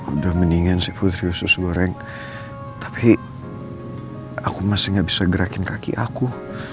udah mendingan sih putri usus goreng tapi aku masih gak bisa gerakin kaki aku